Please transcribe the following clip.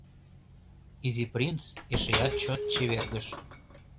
Изи принц эшеат чот чевергыш.